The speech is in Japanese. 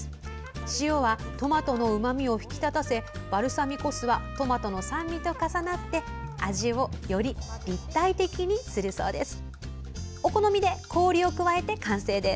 塩はトマトのうまみを引き立たせバルサミコ酢はトマトの酸味と重なって味をより立体的にするそうです。